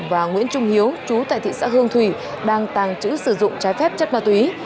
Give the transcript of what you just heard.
và nguyễn trung hiếu chú tại thị xã hương thủy đang tàng trữ sử dụng trái phép chất ma túy